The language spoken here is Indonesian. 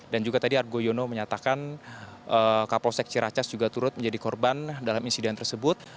dan juga tadi argo yono menyatakan kapolsek ciracas juga turut menjadi korban dalam insiden tersebut